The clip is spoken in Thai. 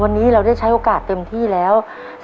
วันนี้เราได้ใช้โอกาสเต็มที่แล้ว